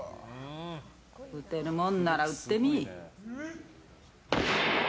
撃てるもんなら撃ってみい。